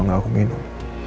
gak aku minum